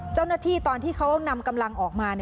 เจ้าหน้าที่ตอนที่เขานำกำลังออกมา